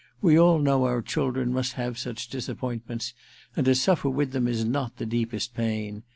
We all know our children must have such disappointments, and to suffer with them is not the deepest pain.